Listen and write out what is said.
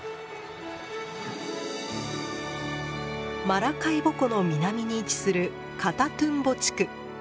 マラカイボ湖の南に位置するカタトゥンボ地区。